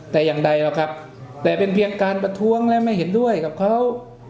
แต่อย่างใดหรอกครับแต่เป็นเพียงการประท้วงและไม่เห็นด้วยกับเขา